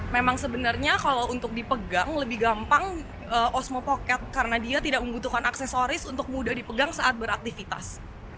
memang sebenarnya kalau untuk dipegang lebih gampang osmo pocket karena dia tidak membutuhkan aksesoris untuk mudah dipegang saat beraktivitas